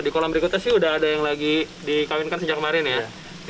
di kolam berikutnya sih udah ada yang lagi dikawinkan sejak kemarin ya